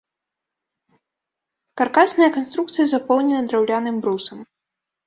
Каркасная канструкцыя запоўнена драўляным брусам.